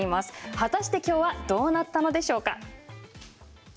果たしてきょうはどうなったのでしょうか。